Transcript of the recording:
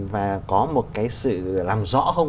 và có một cái sự làm rõ không